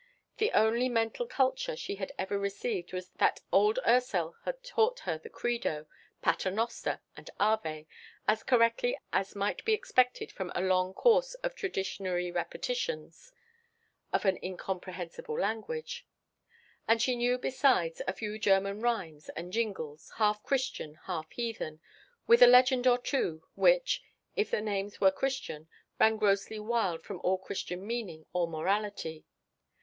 The only mental culture she had ever received was that old Ursel had taught her the Credo, Pater Noster, and Ave, as correctly as might be expected from a long course of traditionary repetitions of an incomprehensible language. And she knew besides a few German rhymes and jingles, half Christian, half heathen, with a legend or two which, if the names were Christian, ran grossly wild from all Christian meaning or morality.